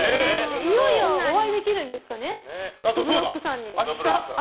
いよいよお会いできるんですかね。